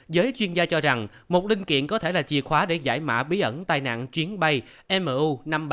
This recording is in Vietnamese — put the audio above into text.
giới chuyên gia cho rằng một linh kiện có thể là chìa khóa để giải mã bí ẩn tai nạn chuyến bay mu năm trăm ba mươi